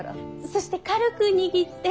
そして軽く握って。